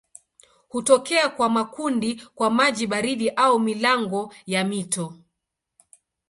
Hutokea kwa makundi kwa maji baridi au milango ya mito.